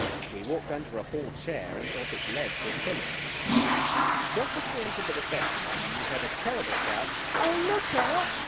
We walked O under a hall chair, and thought its legs were pillars. Just as we entered the reception room we heard a terrible shout, "Oh, look out!"